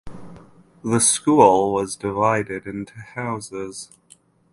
The school was divided into houses.